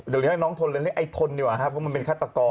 เดี๋ยวให้น้องทนไอ้ทนดีกว่าเพราะมันเป็นคัตตะกร